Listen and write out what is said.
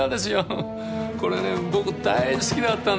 これね僕大好きだったんです。